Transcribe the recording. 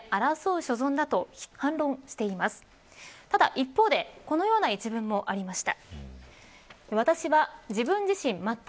一方でこのような一文もありました。